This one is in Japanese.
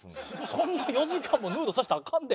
そんな４時間もヌードさせたらアカンで。